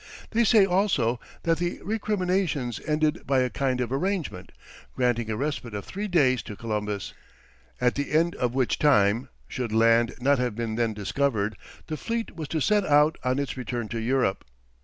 They say also, that the recriminations ended by a kind of arrangement, granting a respite of three days to Columbus, at the end of which time, should land not have been then discovered, the fleet was to set out on its return to Europe.